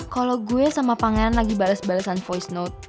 kalau gue sama pangeran lagi bales balesan voice note